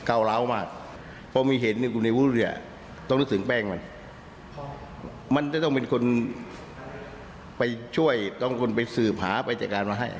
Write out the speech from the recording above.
อะไรไปช่วยต้องไปสืบหาไปจัดการมาให้